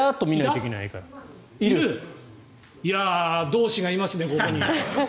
同志がいますね、ここに。